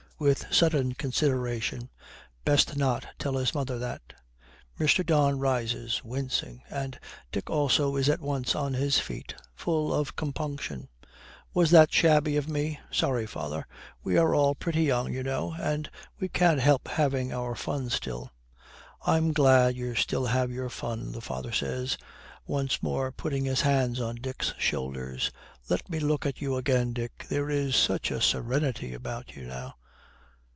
With sudden consideration, 'Best not tell his mother that.' Mr. Don rises, wincing, and Dick also is at once on his feet, full of compunction. 'Was that shabby of me? Sorry, father. We are all pretty young, you know, and we can't help having our fun still.' 'I'm glad you still have your fun,' the father says, once more putting his hands on Dick's shoulders. 'Let me look at you again, Dick. There is such a serenity about you now.'